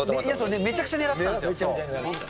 めちゃくちゃ狙ってたんですよ。